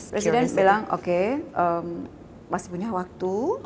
presiden bilang oke masih punya waktu